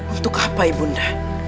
untuk apa ibu nda